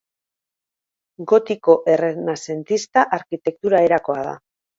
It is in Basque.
Gotiko Errenazentista arkitektura erakoa da.